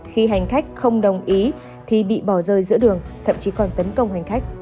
khi hành khách không đồng ý thì bị bỏ rơi giữa đường thậm chí còn tấn công hành khách